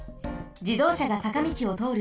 じどうしゃがさかみちをとおる